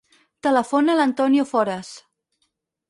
Telefona a l'Antonio Fores.